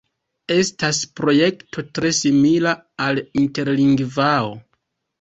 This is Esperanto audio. Estas projekto tre simila al Interlingvao.